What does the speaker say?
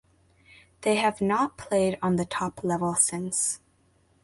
They have not played on the top level since.